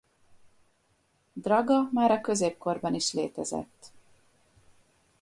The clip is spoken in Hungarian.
Draga már a középkorban is létezett.